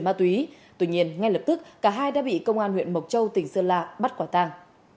ma túy tuy nhiên ngay lập tức cả hai đã bị công an huyện mộc châu tỉnh sơn lạ bắt quả tàng